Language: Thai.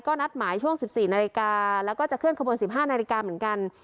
ก็นัดหมายช่วงสิบสี่นาฬิกาแล้วก็จะเคลื่อนขบวนสิบห้านาฬิกาเหมือนกัน